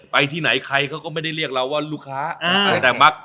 ไปที่ไหนใครเขาไม่ได้เรียกเราว่าลูกค้า